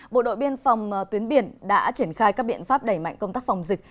bộ đội biên phòng tuyến biển đã triển khai các biện pháp đẩy mạnh công tác phòng dịch